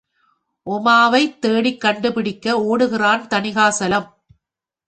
உமாவைத் தேடிக்கண்டுபிடிக்க ஒடுகிறான் Thanikasalam.